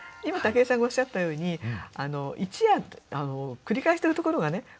今武井さんがおっしゃったように「一夜」繰り返してるところがね